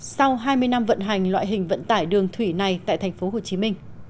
sau hai mươi năm vận hành loại hình vận tải đường thủy này tại tp hcm